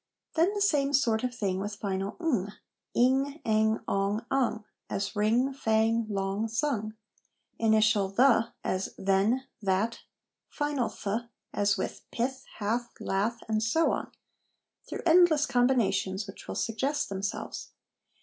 Then the same sort of thing with final ' ng '' ing/ ' ang,' 'ong,' 'ung' ; as ring, fang, long, sung: initial 'th,' as then, that', final 'th,' as with, pith, hath, lath, and so on, through endless combinations which will suggest themselves.